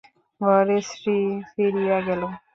ঘরের শ্রী ফিরিয়া গেল।